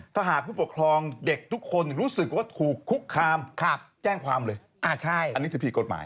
ถ้าหากผู้ปกครองเด็กทุกคนรู้สึกว่าถูกคุกคามแจ้งความเลยอันนี้ถือผิดกฎหมาย